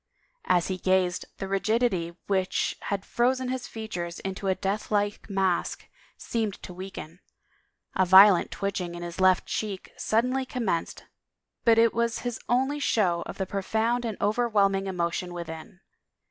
As he gazed, the rigidity which had frozen his features into a death like mask, seemed to weaken; a violent twitching in his left cheek suddenly commenced but it was his only show of the profound and overwhelming emotion within.